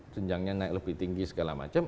jenjangnya naik lebih tinggi segala macam